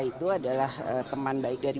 itu adalah teman baik dari